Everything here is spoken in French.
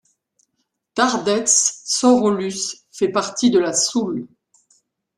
Tardets-Sorholus fait partie de la Soule.